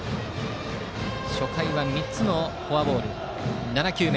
初回は３つのフォアボール。